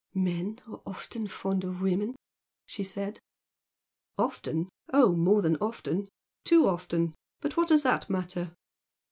"Men are often fond of women" she said. "Often? Oh, more than often! Too often! But what does that matter?"